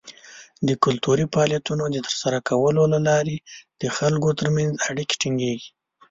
د کلتوري فعالیتونو د ترسره کولو له لارې د خلکو تر منځ اړیکې ټینګیږي.